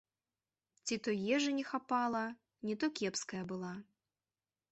Ці то ежы не хапала, не то кепская была.